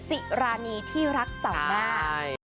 สิรณีที่รักสำนาณ